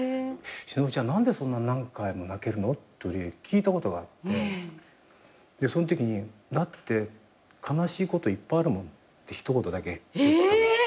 しのぶちゃん何でそんな何回も泣けるの？って俺聞いたことがあってそのときに「だって悲しいこといっぱいあるもん」って一言だけ言ったの。え！